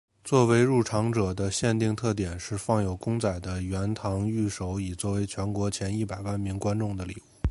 作为入场者的限定特典是放有公仔的圆堂御守以作为全国前一百万名观众的礼物。